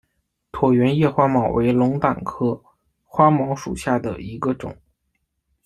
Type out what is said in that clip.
椭圆叶花锚为龙胆科花锚属下的一个种。